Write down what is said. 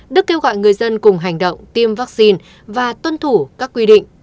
đức kêu gọi người dân cùng hành động tiêm vaccine và tuân thủ các quy định